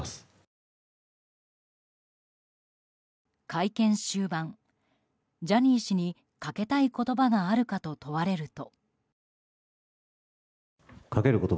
会見終盤、ジャニー氏にかけたい言葉があるかと問われると。